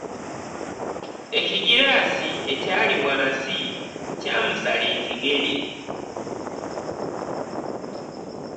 Ekigiraasi ekyali wansi kya musala ekigere.